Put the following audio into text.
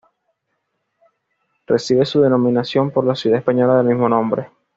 Recibe su denominación por la ciudad española del mismo nombre.